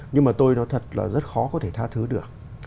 nhưng mà tôi nói thật là rất khó có thể tha thứ được